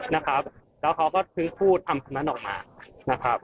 นะครับแล้วเขาก็ถึงพูดคำนั้นออกมานะครับ